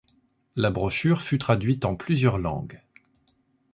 La brochure fut traduite en plusieurs langues.